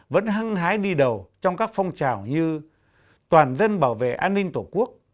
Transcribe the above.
vẫn hăng hái đi đầu trong các phong trào như toàn dân bảo vệ an ninh tổ quốc